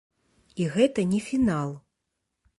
І гэта не фінал.